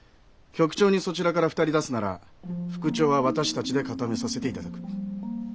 局長にそちらから２人出すなら副長は私たちで固めさせて頂く。